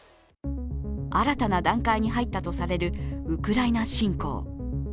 新たな段階に入ったとされるウクライナ侵攻。